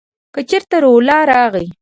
که چېرته روح الله راغی !